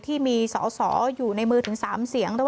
ที่มีสอสออยู่ในมือถึง๓เสียง